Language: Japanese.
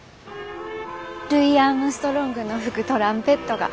ルイ・アームストロングの吹くトランペットが。